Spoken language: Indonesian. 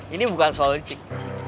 ini bukan soal licik